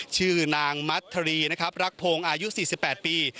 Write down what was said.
ชื่อนางมัธรีรักโพงอายุ๔๘ปี